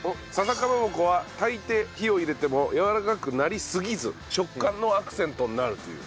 笹かまぼこは炊いて火を入れてもやわらかくなりすぎず食感のアクセントになるという。